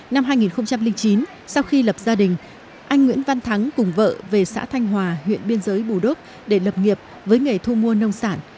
năm hai nghìn chín sau khi lập gia đình anh nguyễn văn thắng cùng vợ về xã thanh hòa huyện biên giới bù đốp để lập nghiệp với nghề thu mua nông sản